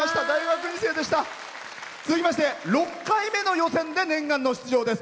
続きまして６回目の予選で念願の出場です。